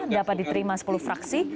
dapat diterima sepuluh fraksi